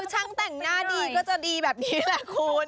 ช่างแต่งหน้าดีก็จะดีแบบนี้แหละคุณ